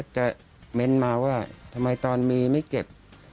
จะเม้นต์มาว่าที่จะทำมีไงไม่เก็บ